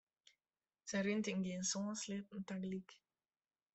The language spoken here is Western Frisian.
Sy rint yn gjin sân sleatten tagelyk.